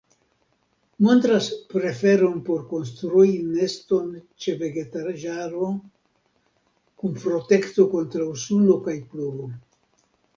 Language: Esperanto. Montras preferon por konstrui neston ĉe vegetaĵaro, kun protekto kontraŭ suno kaj pluvo.